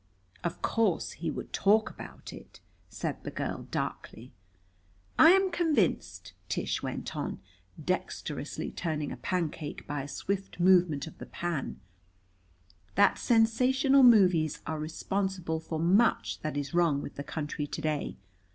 "Of course he would talk about it!" said the girl darkly. "I am convinced," Tish went on, dexterously turning a pancake by a swift movement of the pan, "that sensational movies are responsible for much that is wrong with the country to day.